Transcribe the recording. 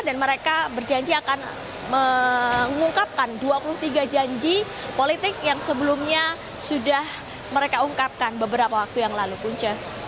dan mereka berjanji akan mengungkapkan dua puluh tiga janji politik yang sebelumnya sudah mereka ungkapkan beberapa waktu yang lalu punca